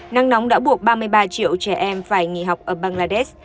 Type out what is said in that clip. nắng nóng đã buộc ba mươi ba triệu trẻ em phải nghỉ học ở bangladesh